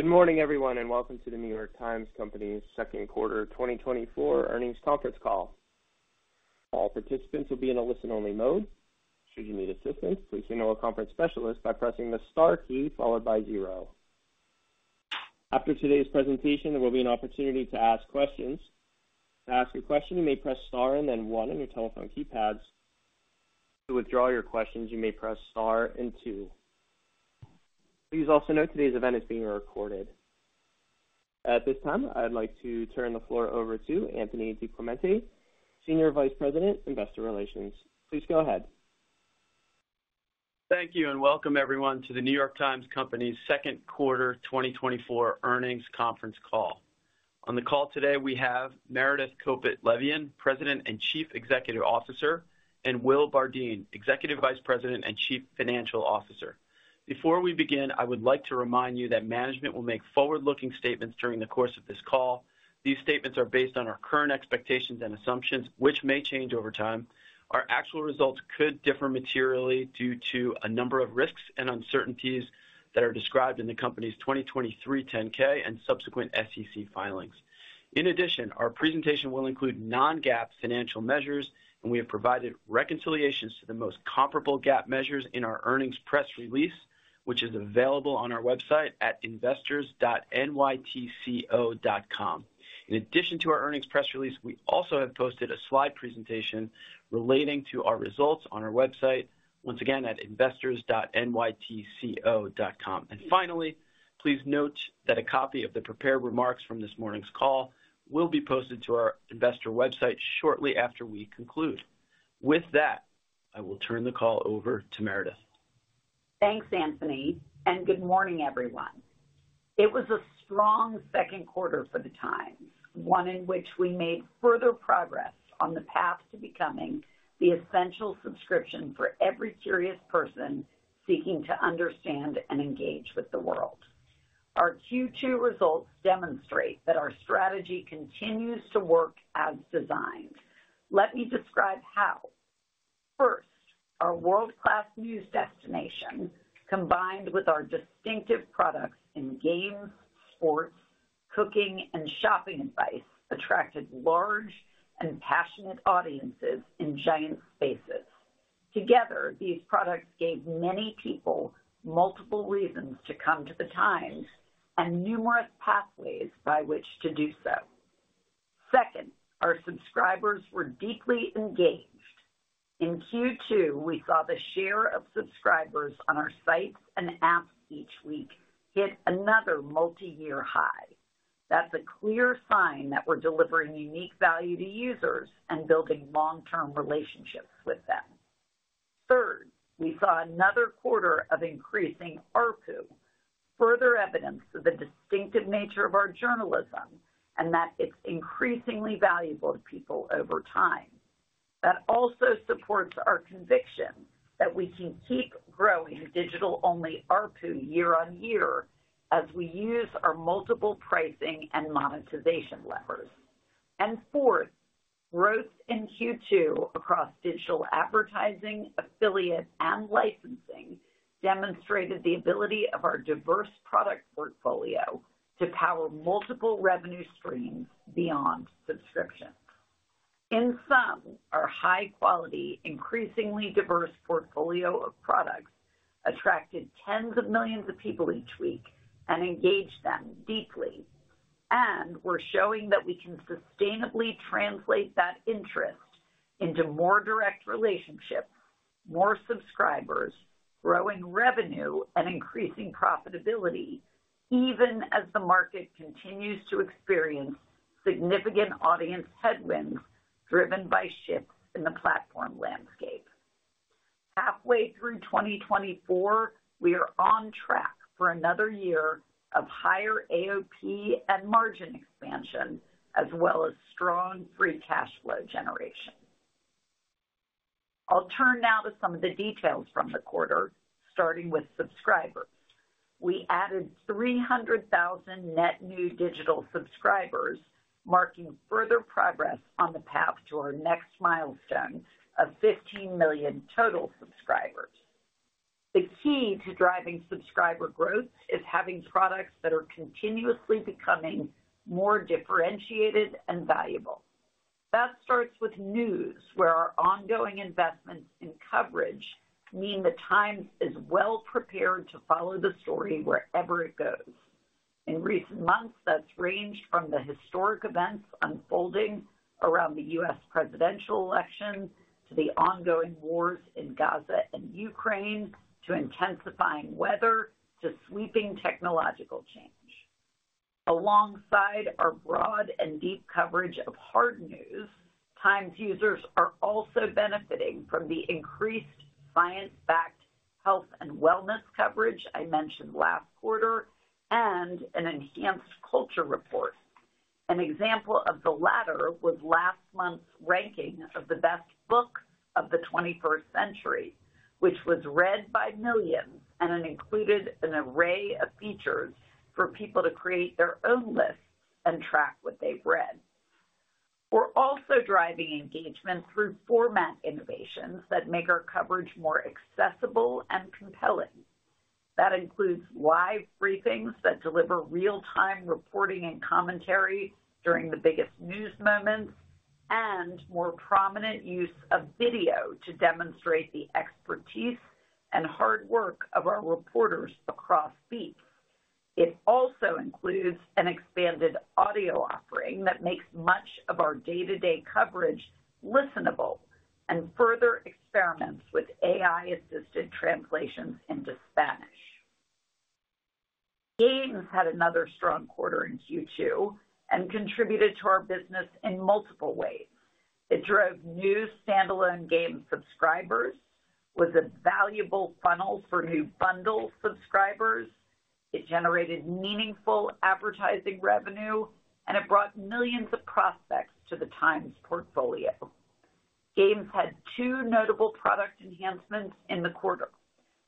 Good morning, everyone, and welcome to The New York Times Company's second quarter 2024 earnings conference call. All participants will be in a listen-only mode. Should you need assistance, please signal a conference specialist by pressing the star key followed by zero. After today's presentation, there will be an opportunity to ask questions. To ask a question, you may press star and then one on your telephone keypads. To withdraw your questions, you may press star and two. Please also note today's event is being recorded. At this time, I'd like to turn the floor over to Anthony DiClemente, Senior Vice President, Investor Relations. Please go ahead. Thank you, and welcome everyone to The New York Times Company's second quarter 2024 earnings conference call. On the call today, we have Meredith Kopit Levien, President and Chief Executive Officer, and Will Bardeen, Executive Vice President and Chief Financial Officer. Before we begin, I would like to remind you that management will make forward-looking statements during the course of this call. These statements are based on our current expectations and assumptions, which may change over time. Our actual results could differ materially due to a number of risks and uncertainties that are described in the company's 2023 10-K and subsequent SEC filings. In addition, our presentation will include non-GAAP financial measures, and we have provided reconciliations to the most comparable GAAP measures in our earnings press release, which is available on our website at investors.nytco.com. In addition to our earnings press release, we also have posted a slide presentation relating to our results on our website, once again, at investors.nytco.com. And finally, please note that a copy of the prepared remarks from this morning's call will be posted to our investor website shortly after we conclude. With that, I will turn the call over to Meredith. Thanks, Anthony, and good morning, everyone. It was a strong second quarter for the Times, one in which we made further progress on the path to becoming the essential subscription for every curious person seeking to understand and engage with the world. Our Q2 results demonstrate that our strategy continues to work as designed. Let me describe how. First, our world-class news destination, combined with our distinctive products in games, sports, cooking, and shopping advice, attracted large and passionate audiences in giant spaces. Together, these products gave many people multiple reasons to come to the Times and numerous pathways by which to do so. Second, our subscribers were deeply engaged. In Q2, we saw the share of subscribers on our sites and apps each week hit another multiyear high. That's a clear sign that we're delivering unique value to users and building long-term relationships with them. Third, we saw another quarter of increasing ARPU, further evidence of the distinctive nature of our journalism and that it's increasingly valuable to people over time. That also supports our conviction that we can keep growing digital-only ARPU year on year as we use our multiple pricing and monetization levers. And fourth, growth in Q2 across digital advertising, affiliate, and licensing demonstrated the ability of our diverse product portfolio to power multiple revenue streams beyond subscriptions. In sum, our high quality, increasingly diverse portfolio of products attracted tens of millions of people each week and engaged them deeply. And we're showing that we can sustainably translate that interest into more direct relationships, more subscribers, growing revenue, and increasing profitability, even as the market continues to experience significant audience headwinds driven by shifts in the platform landscape. Halfway through 2024, we are on track for another year of higher AOP and margin expansion, as well as strong free cash flow generation. I'll turn now to some of the details from the quarter, starting with subscribers. We added 300,000 net new digital subscribers, marking further progress on the path to our next milestone of 15 million total subscribers. The key to driving subscriber growth is having products that are continuously becoming more differentiated and valuable. That starts with news, where our ongoing investments in coverage mean the Times is well prepared to follow the story wherever it goes. In recent months, that's ranged from the historic events unfolding around the U.S. presidential election to the ongoing wars in Gaza and Ukraine, to intensifying weather, to sweeping technological change. Alongside our broad and deep coverage of hard news, Times users are also benefiting from the increased science-backed health and wellness coverage I mentioned last quarter, and an enhanced culture report. An example of the latter was last month's ranking of the best book of the twenty-first century, which was read by millions and it included an array of features for people to create their own list and track what they've read. We're also driving engagement through format innovations that make our coverage more accessible and compelling. That includes live briefings that deliver real-time reporting and commentary during the biggest news moments, and more prominent use of video to demonstrate the expertise and hard work of our reporters across beats. It also includes an expanded audio offering that makes much of our day-to-day coverage listenable, and further experiments with AI-assisted translations into Spanish. Games had another strong quarter in Q2 and contributed to our business in multiple ways. It drove new standalone game subscribers, was a valuable funnel for new bundle subscribers, it generated meaningful advertising revenue, and it brought millions of prospects to the Times portfolio. Games had two notable product enhancements in the quarter.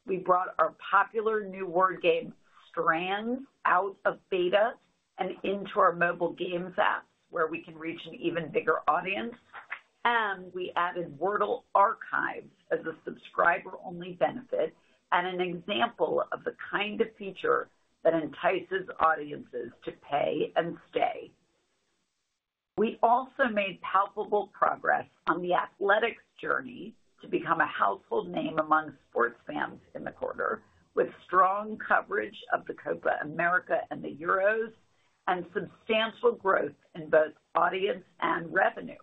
We brought our popular new word game, Strands, out of beta and into our mobile games app, where we can reach an even bigger audience, and we added Wordle Archives as a subscriber-only benefit and an example of the kind of feature that entices audiences to pay and stay. We also made palpable progress on The Athletic journey to become a household name among sports fans in the quarter, with strong coverage of the Copa América and the Euros, and substantial growth in both audience and revenue.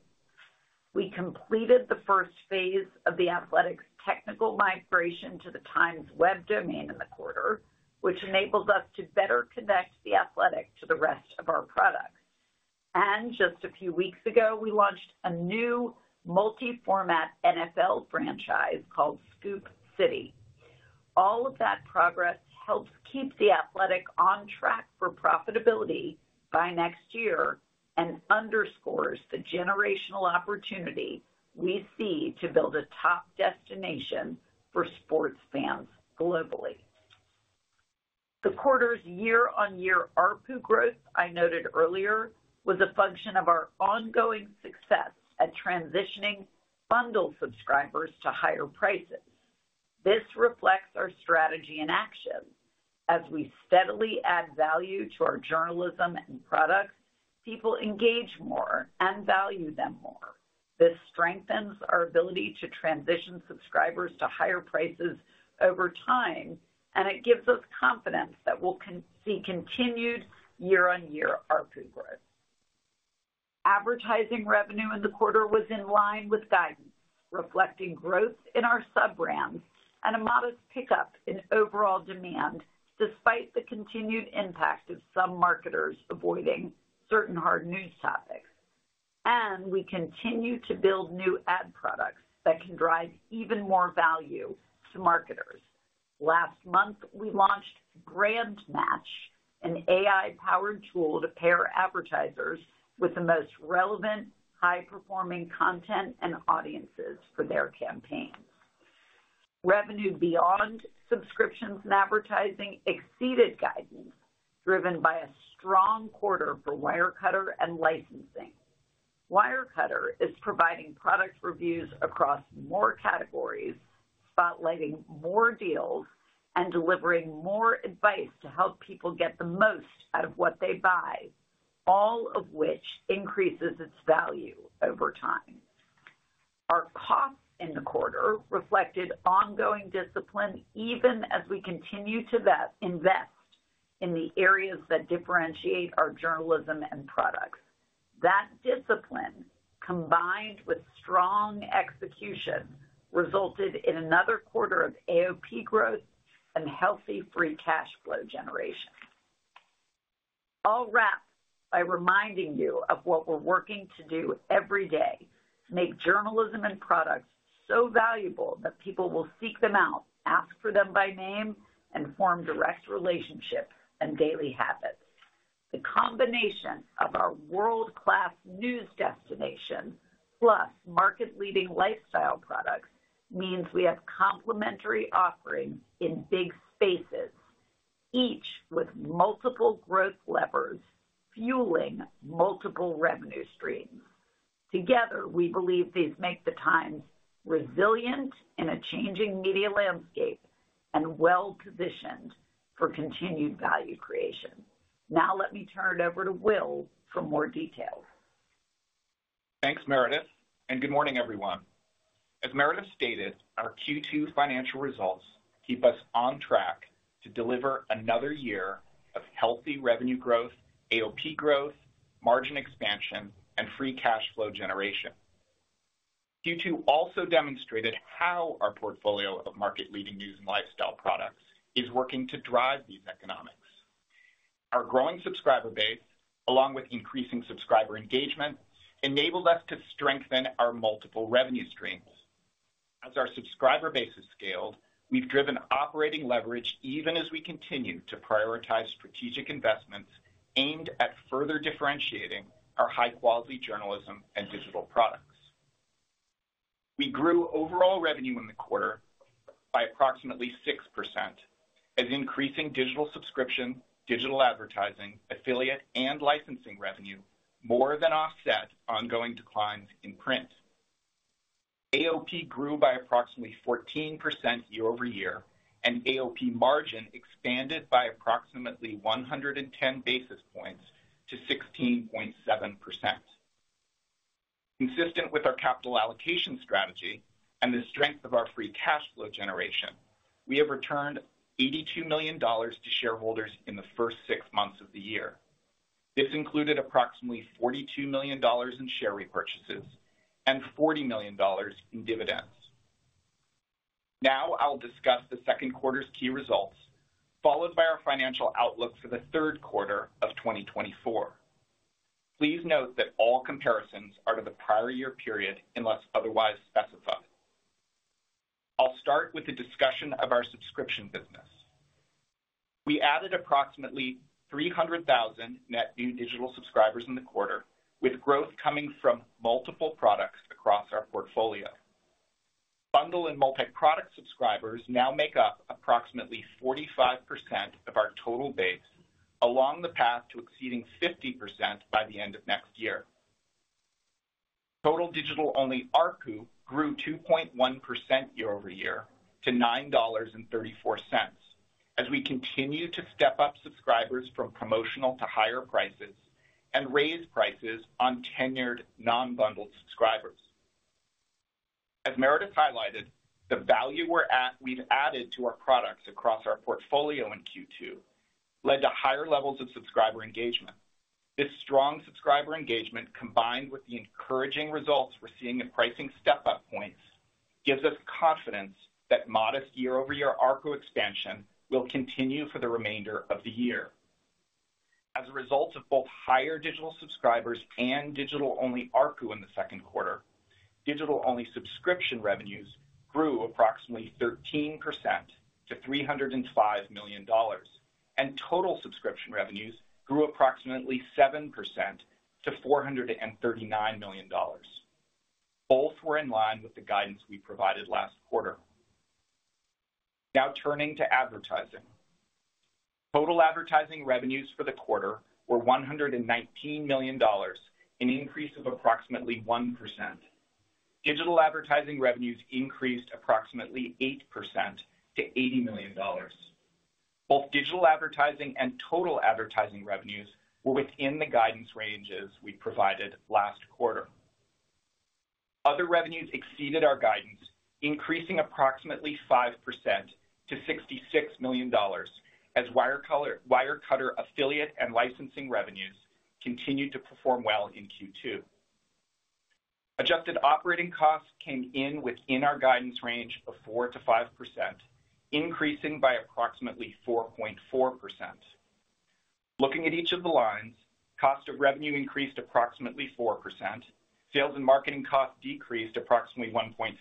We completed the first phase of The Athletic's technical migration to the Times' web domain in the quarter, which enabled us to better connect The Athletic to the rest of our products. Just a few weeks ago, we launched a new multi-format NFL franchise called Scoop City. All of that progress helps keep The Athletic on track for profitability by next year and underscores the generational opportunity we see to build a top destination for sports fans globally. The quarter's year-on-year ARPU growth, I noted earlier, was a function of our ongoing success at transitioning bundle subscribers to higher prices. This reflects our strategy in action. As we steadily add value to our journalism and products, people engage more and value them more. This strengthens our ability to transition subscribers to higher prices over time, and it gives us confidence that we'll continue to see continued year-on-year ARPU growth. Advertising revenue in the quarter was in line with guidance, reflecting growth in our sub-brands and a modest pickup in overall demand, despite the continued impact of some marketers avoiding certain hard news topics. And we continue to build new ad products that can drive even more value to marketers. Last month, we launched BrandMatch, an AI-powered tool to pair advertisers with the most relevant, high-performing content and audiences for their campaigns. Revenue beyond subscriptions and advertising exceeded guidance, driven by a strong quarter for Wirecutter and licensing. Wirecutter is providing product reviews across more categories, spotlighting more deals, and delivering more advice to help people get the most out of what they buy, all of which increases its value over time. Our costs in the quarter reflected ongoing discipline, even as we continue to invest in the areas that differentiate our journalism and products. That discipline, combined with strong execution, resulted in another quarter of AOP growth and healthy free cash flow generation. I'll wrap by reminding you of what we're working to do every day: make journalism and products so valuable that people will seek them out, ask for them by name, and form direct relationships and daily habits. The combination of our world-class news destination, plus market-leading lifestyle products, means we have complementary offerings in big spaces, each with multiple growth levers fueling multiple revenue streams. Together, we believe these make the Times resilient in a changing media landscape and well-positioned for continued value creation. Now let me turn it over to Will for more details. Thanks, Meredith, and good morning, everyone. As Meredith stated, our Q2 financial results keep us on track to deliver another year of healthy revenue growth, AOP growth, margin expansion, and free cash flow generation. Q2 also demonstrated how our portfolio of market-leading news and lifestyle products is working to drive these economics. Our growing subscriber base, along with increasing subscriber engagement, enabled us to strengthen our multiple revenue streams. As our subscriber base has scaled, we've driven operating leverage, even as we continue to prioritize strategic investments aimed at further differentiating our high-quality journalism and digital products. We grew overall revenue in the quarter by approximately 6%, as increasing digital subscription, digital advertising, affiliate, and licensing revenue more than offset ongoing declines in print. AOP grew by approximately 14% year-over-year, and AOP margin expanded by approximately 110 basis points to 16.7%. Consistent with our capital allocation strategy and the strength of our free cash flow generation, we have returned $82 million to shareholders in the first six months of the year. This included approximately $42 million in share repurchases and $40 million in dividends. Now I'll discuss the second quarter's key results, followed by our financial outlook for the third quarter of 2024. Please note that all comparisons are to the prior year period, unless otherwise specified. I'll start with a discussion of our subscription business. We added approximately 300,000 net new digital subscribers in the quarter, with growth coming from multiple products across our portfolio. Bundle and multi-product subscribers now make up approximately 45% of our total base, along the path to exceeding 50% by the end of next year. Total digital-only ARPU grew 2.1% year-over-year to $9.34, as we continue to step up subscribers from promotional to higher prices and raise prices on tenured, non-bundled subscribers. As Meredith highlighted, the value we've added to our products across our portfolio in Q2 led to higher levels of subscriber engagement. This strong subscriber engagement, combined with the encouraging results we're seeing in pricing step-up points, gives us confidence that modest year-over-year ARPU expansion will continue for the remainder of the year. As a result of both higher digital subscribers and digital-only ARPU in the second quarter, digital-only subscription revenues grew approximately 13% to $305 million, and total subscription revenues grew approximately 7% to $439 million. Both were in line with the guidance we provided last quarter. Now turning to advertising. Total advertising revenues for the quarter were $119 million, an increase of approximately 1%. Digital advertising revenues increased approximately 8% to $80 million. Both digital advertising and total advertising revenues were within the guidance ranges we provided last quarter. Other revenues exceeded our guidance, increasing approximately 5% to $66 million, as Wirecutter affiliate and licensing revenues continued to perform well in Q2. Adjusted operating costs came in within our guidance range of 4%-5%, increasing by approximately 4.4%. Looking at each of the lines, cost of revenue increased approximately 4%, sales and marketing costs decreased approximately 1.5%,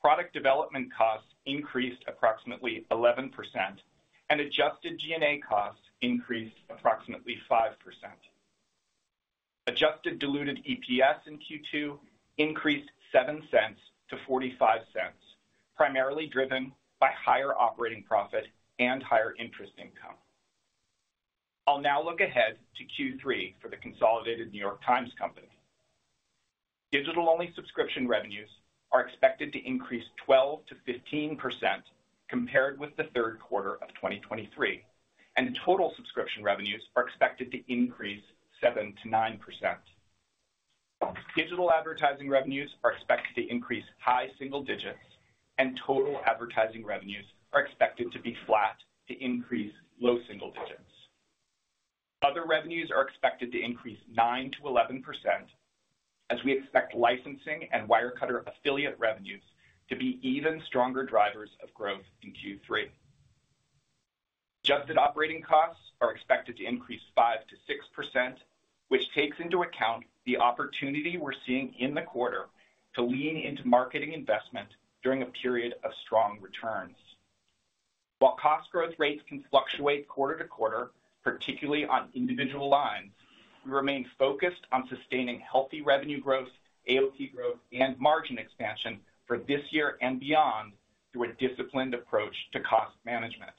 product development costs increased approximately 11%, and adjusted G&A costs increased approximately 5%. Adjusted diluted EPS in Q2 increased $0.07-$0.45, primarily driven by higher operating profit and higher interest income. I'll now look ahead to Q3 for the consolidated New York Times Company. Digital-only subscription revenues are expected to increase 12%-15% compared with the third quarter of 2023, and total subscription revenues are expected to increase 7%-9%. Digital advertising revenues are expected to increase high single digits%, and total advertising revenues are expected to be flat to increase low single digits%. Other revenues are expected to increase 9%-11%, as we expect licensing and Wirecutter affiliate revenues to be even stronger drivers of growth in Q3. Adjusted operating costs are expected to increase 5%-6%, which takes into account the opportunity we're seeing in the quarter to lean into marketing investment during a period of strong returns. While cost growth rates can fluctuate quarter to quarter, particularly on individual lines, we remain focused on sustaining healthy revenue growth, AOP growth, and margin expansion for this year and beyond, through a disciplined approach to cost management.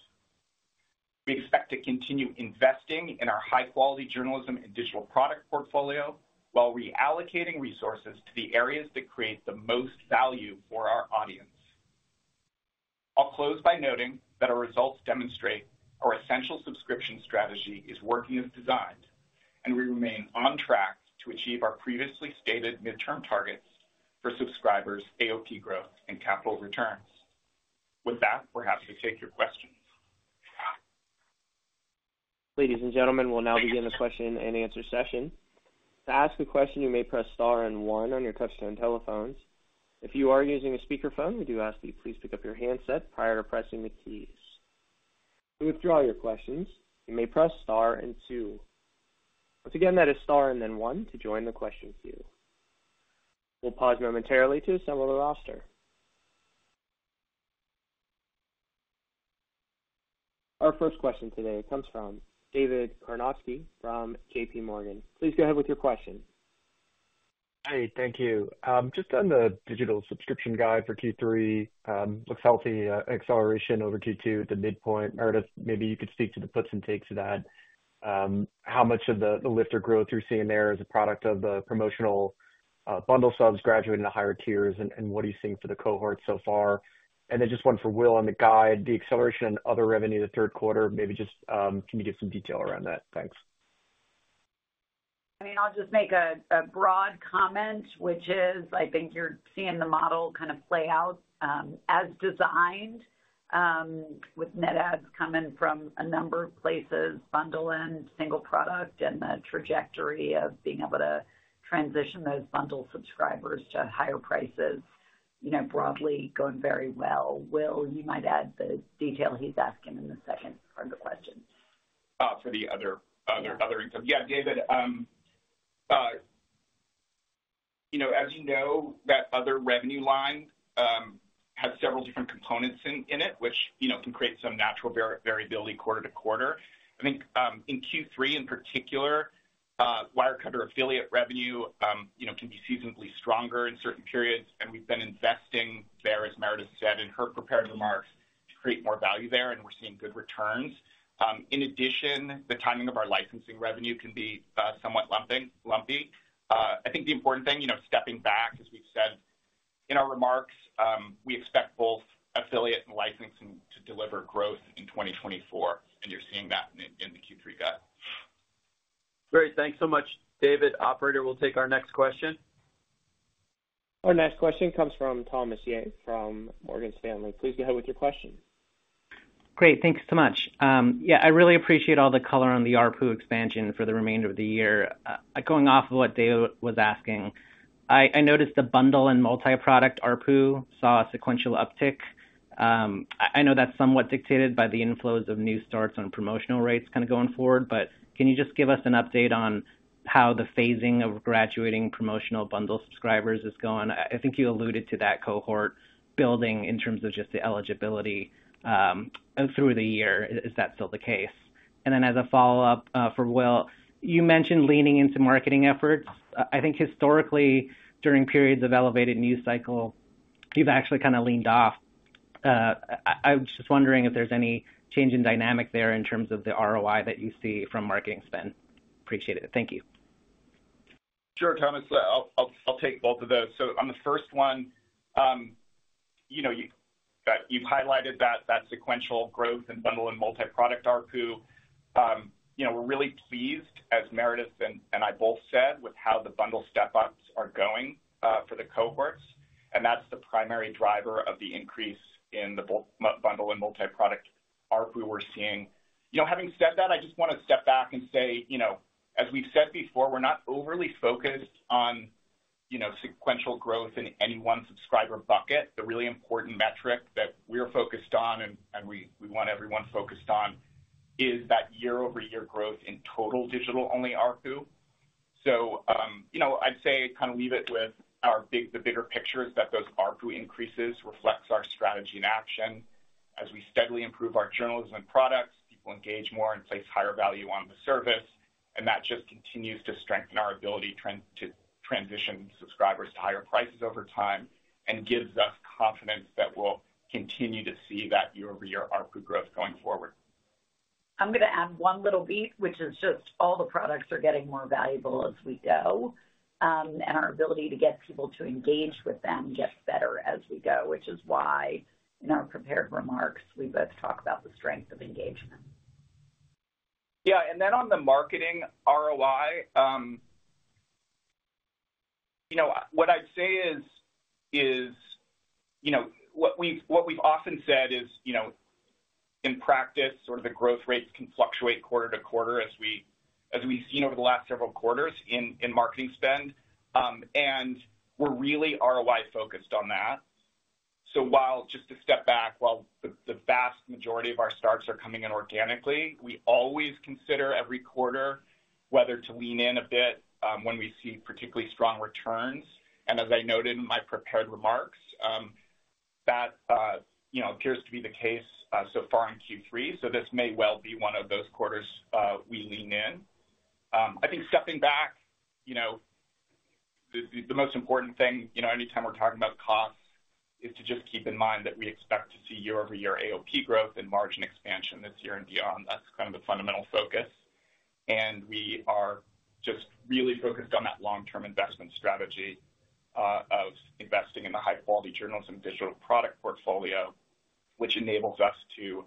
We expect to continue investing in our high-quality journalism and digital product portfolio while reallocating resources to the areas that create the most value for our audience. I'll close by noting that our results demonstrate our essential subscription strategy is working as designed, and we remain on track to achieve our previously stated midterm targets for subscribers, AOP growth, and capital returns. With that, we're happy to take your questions. Ladies and gentlemen, we'll now begin the question-and-answer session. To ask a question, you may press star and one on your touch-tone telephones. If you are using a speakerphone, we do ask that you please pick up your handset prior to pressing the keys. To withdraw your questions, you may press star and two. Once again, that is star and then one to join the question queue. We'll pause momentarily to assemble the roster. Our first question today comes from David Karnovsky from JPMorgan. Please go ahead with your question. Hi, thank you. Just on the digital subscription guidance for Q3, looks healthy, acceleration over Q2 at the midpoint. Meredith, maybe you could speak to the puts and takes of that. How much of the lift or growth you're seeing there is a product of the promotional bundle subs graduating to higher tiers, and what are you seeing for the cohort so far? And then just one for Will on the guide, the acceleration in other revenue in the third quarter, maybe just can you give some detail around that? Thanks. I mean, I'll just make a broad comment, which is I think you're seeing the model kind of play out, as designed, with net adds coming from a number of places, bundle and single product, and the trajectory of being able to transition those bundle subscribers to higher prices, you know, broadly going very well. Will, you might add the detail he's asking in the second part of the question. for the other- Yeah. Yeah, David, you know, as you know, that other revenue line has several different components in it, which, you know, can create some natural variability quarter to quarter. I think, in Q3, in particular, Wirecutter affiliate revenue, you know, can be seasonally stronger in certain periods, and we've been investing there, as Meredith said in her prepared remarks, to create more value there, and we're seeing good returns. In addition, the timing of our licensing revenue can be somewhat lumpy. I think the important thing, you know, stepping back, as we've said in our remarks, we expect both affiliate and licensing to deliver growth in 2024, and you're seeing that in the Q3 guide. Great. Thanks so much, David. Operator, we'll take our next question. Our next question comes from Thomas Yeh from Morgan Stanley. Please go ahead with your question. Great. Thanks so much. Yeah, I really appreciate all the color on the ARPU expansion for the remainder of the year. Going off of what David was asking, I noticed the bundle and multi-product ARPU saw a sequential uptick. I know that's somewhat dictated by the inflows of new starts on promotional rates kind of going forward, but can you just give us an update on how the phasing of graduating promotional bundle subscribers is going? I think you alluded to that cohort building in terms of just the eligibility through the year. Is that still the case? And then as a follow-up, for Will, you mentioned leaning into marketing efforts. I think historically, during periods of elevated news cycle, you've actually kind of leaned off. I was just wondering if there's any change in dynamic there in terms of the ROI that you see from marketing spend. Appreciate it. Thank you. Sure, Thomas. I'll take both of those. So on the first one, you know, that you've highlighted that, that sequential growth in bundle and multi-product ARPU. You know, we're really pleased, as Meredith and I both said, with how the bundle step-ups are going, for the cohorts, and that's the primary driver of the increase in the bundle and multi-product ARPU we're seeing. You know, having said that, I just want to step back and say, you know, as we've said before, we're not overly focused on, you know, sequential growth in any one subscriber bucket. The really important metric that we're focused on, and we want everyone focused on is that year-over-year growth in total digital-only ARPU. You know, I'd say kind of leave it with the bigger picture, is that those ARPU increases reflects our strategy in action. As we steadily improve our journalism products, people engage more and place higher value on the service, and that just continues to strengthen our ability to transition subscribers to higher prices over time and gives us confidence that we'll continue to see that year-over-year ARPU growth going forward. I'm going to add one little beat, which is just all the products are getting more valuable as we go, and our ability to get people to engage with them gets better as we go, which is why, in our prepared remarks, we both talk about the strength of engagement. Yeah, and then on the marketing ROI, you know, what I'd say is. You know, what we've often said is, you know, in practice, sort of the growth rates can fluctuate quarter to quarter as we, as we've seen over the last several quarters in marketing spend. And we're really ROI-focused on that. So while just to step back, while the vast majority of our starts are coming in organically, we always consider every quarter whether to lean in a bit when we see particularly strong returns. And as I noted in my prepared remarks, that you know, appears to be the case so far in Q3, so this may well be one of those quarters we lean in. I think stepping back, you know, the most important thing, you know, anytime we're talking about costs, is to just keep in mind that we expect to see year-over-year AOP growth and margin expansion this year and beyond. That's kind of the fundamental focus, and we are just really focused on that long-term investment strategy, of investing in the high-quality journalism digital product portfolio, which enables us to,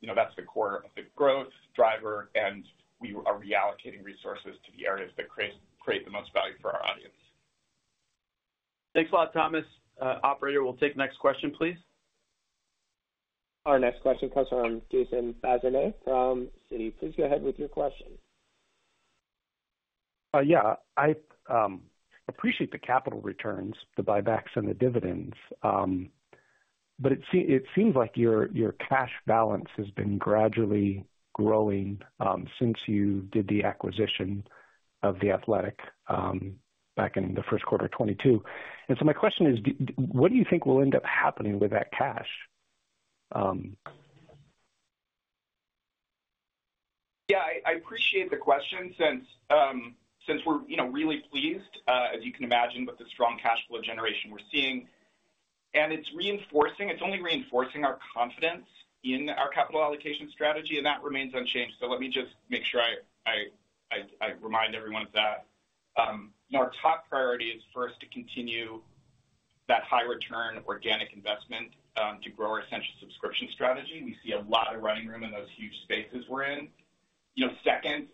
you know, that's the core of the growth driver, and we are reallocating resources to the areas that create the most value for our audience. Thanks a lot, Thomas. Operator, we'll take the next question, please. Our next question comes from Jason Bazinet from Citi. Please go ahead with your question. Yeah. I appreciate the capital returns, the buybacks and the dividends. But it seems like your cash balance has been gradually growing since you did the acquisition of The Athletic back in the first quarter of 2022. So my question is: what do you think will end up happening with that cash? Yeah, I appreciate the question since we're, you know, really pleased, as you can imagine, with the strong cash flow generation we're seeing. And it's only reinforcing our confidence in our capital allocation strategy, and that remains unchanged. So let me just make sure I remind everyone of that. Our top priority is for us to continue that high return organic investment to grow our essential subscription strategy. We see a lot of running room in those huge spaces we're in. You know, second,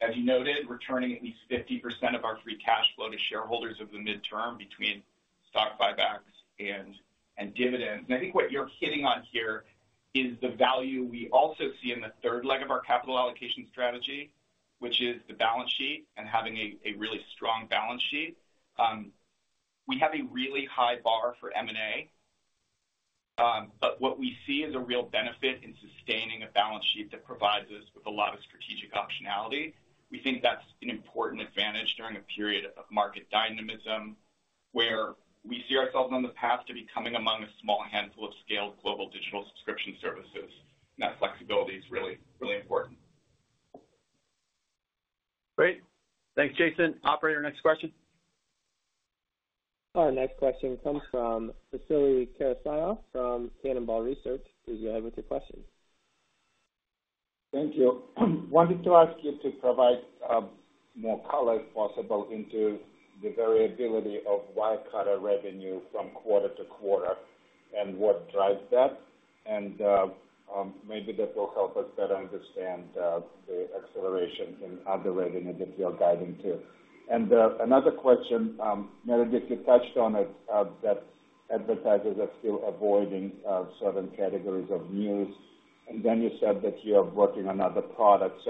as you noted, returning at least 50% of our free cash flow to shareholders over the midterm between stock buybacks and dividends. I think what you're hitting on here is the value we also see in the third leg of our capital allocation strategy, which is the balance sheet and having a really strong balance sheet. We have a really high bar for M&A, but what we see is a real benefit in sustaining a balance sheet that provides us with a lot of strategic optionality. We think that's an important advantage during a period of market dynamism, where we see ourselves on the path to becoming among a small handful of scaled global digital subscription services. That flexibility is really, really important. Great. Thanks, Jason. Operator, next question. Our next question comes from Vasily Karasyov, from Cannonball Research. Please go ahead with your question. Thank you. Wanted to ask you to provide more color, if possible, into the variability of Wirecutter revenue from quarter to quarter, and what drives that? Maybe that will help us better understand the acceleration and underwriting that you're guiding to. Another question, Meredith, you touched on it, that advertisers are still avoiding certain categories of news, and then you said that you are working on other products.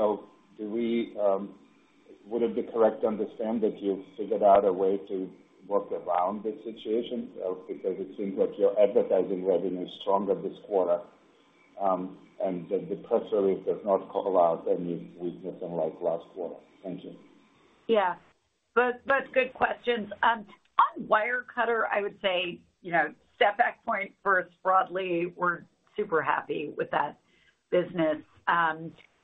Would it be correct to understand that you've figured out a way to work around this situation? Because it seems like your advertising revenue is stronger this quarter, and the pressure, if does not call out any reason like last quarter. Thank you. Yeah, both, that's good questions. On Wirecutter, I would say, you know, step back point first, broadly, we're super happy with that business.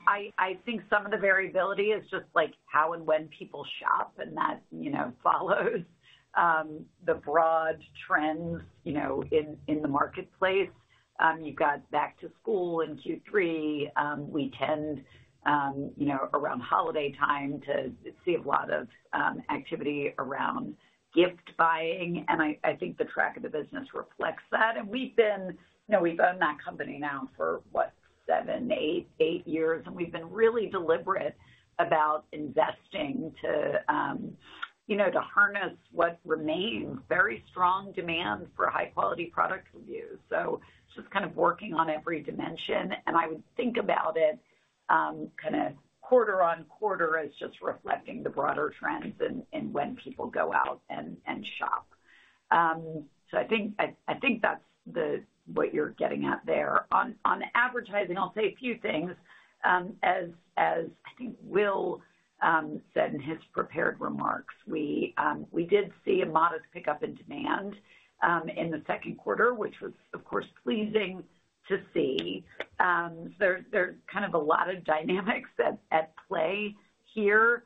I think some of the variability is just, like, how and when people shop, and that, you know, follows the broad trends, you know, in the marketplace. You've got back to school in Q3. We tend, you know, around holiday time to see a lot of activity around gift buying, and I think the track of the business reflects that. And we've been, you know, we've owned that company now for, what? 7, 8, 8 years, and we've been really deliberate about investing to, you know, to harness what remains very strong demand for high-quality product reviews. So just kind of working on every dimension, and I would think about it, kind of quarter on quarter as just reflecting the broader trends and when people go out and shop. So I think that's what you're getting at there. On advertising, I'll say a few things. As I think Will said in his prepared remarks, we did see a modest pickup in demand in the second quarter, which was, of course, pleasing to see. There's kind of a lot of dynamics at play here.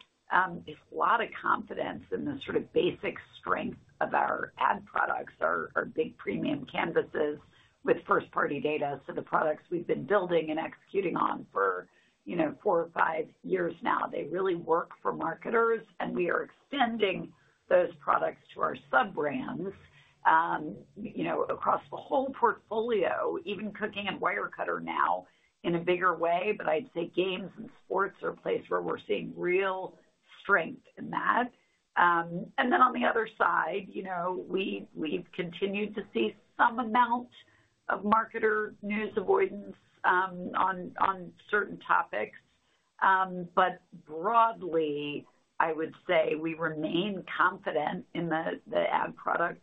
There's a lot of confidence in the sort of basic strength of our ad products, our big premium canvases with first-party data. So the products we've been building and executing on for, you know, four or five years now, they really work for marketers, and we are extending those products to our sub-brands, you know, across the whole portfolio, even Cooking and Wirecutter now in a bigger way. But I'd say Games and sports are a place where we're seeing real strength in that. And then on the other side, you know, we've continued to see some amount of marketer news avoidance, on certain topics. But broadly, I would say we remain confident in the ad product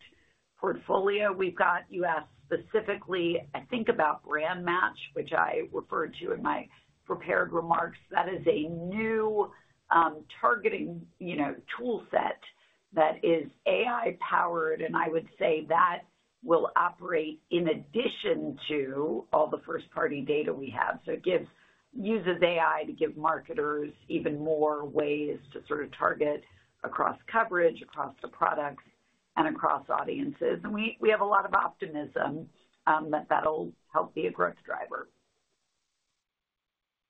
portfolio. We've got, you asked specifically, I think, about BrandMatch, which I referred to in my prepared remarks. That is a new targeting, you know, toolset that is AI-powered, and I would say that will operate in addition to all the first-party data we have. So it uses AI to give marketers even more ways to sort of target across coverage, across the products, and across audiences. And we have a lot of optimism that that'll help be a growth driver.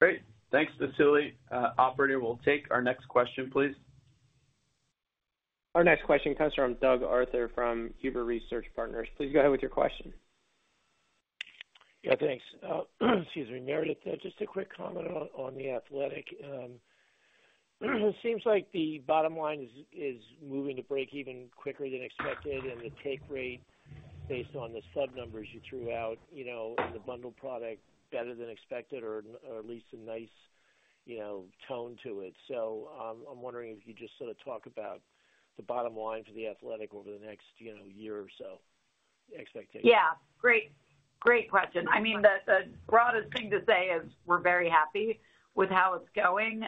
Great. Thanks, Vasily. Operator, we'll take our next question, please. Our next question comes from Doug Arthur from Huber Research Partners. Please go ahead with your question. Yeah, thanks. Excuse me, Meredith, just a quick comment on The Athletic. It seems like the bottom line is moving to break even quicker than expected, and the take rate, based on the sub numbers you threw out, you know, in the bundle product, better than expected or at least a nice, you know, tone to it. So, I'm wondering if you just sort of talk about the bottom line for The Athletic over the next, you know, year or so, expectation. Yeah, great. Great question. I mean, the broadest thing to say is we're very happy with how it's going.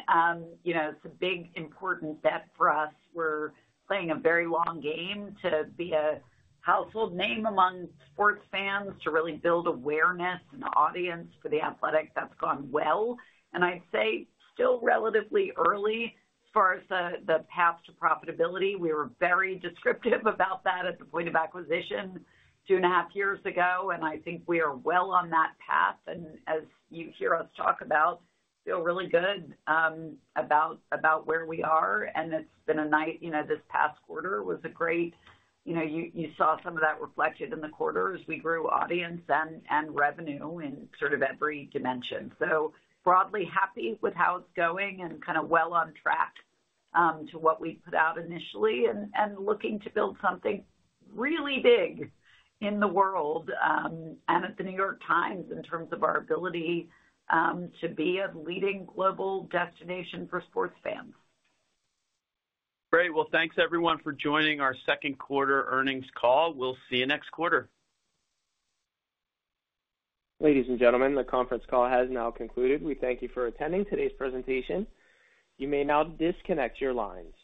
You know, it's a big, important bet for us. We're playing a very long game to be a household name among sports fans, to really build awareness and audience for The Athletic. That's gone well, and I'd say still relatively early as far as the path to profitability. We were very descriptive about that at the point of acquisition two and a half years ago, and I think we are well on that path. And as you hear us talk about, feel really good about where we are, and it's been a nice. You know, this past quarter was a great. You know, you saw some of that reflected in the quarter as we grew audience and revenue in sort of every dimension. So broadly happy with how it's going and kind of well on track to what we put out initially, and looking to build something really big in the world and at the New York Times in terms of our ability to be a leading global destination for sports fans. Great! Well, thanks everyone for joining our second quarter earnings call. We'll see you next quarter. Ladies and gentlemen, the conference call has now concluded. We thank you for attending today's presentation. You may now disconnect your lines.